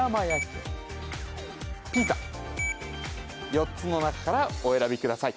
４つの中からお選びください